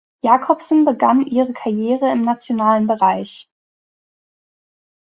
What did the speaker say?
Jacobsen begann ihre Karriere im nationalen Bereich.